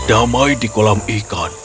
damai di kolam ikan